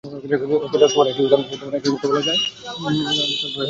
Marcus দক্ষিণ দিকে অগ্রসর হওয়ার সময়ে দ্রুত দুর্বল হতে থাকে।